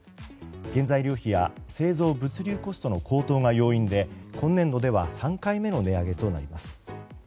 原材料費や製造・物流コストの高騰が要因で今年度では３回目の値上げとなります。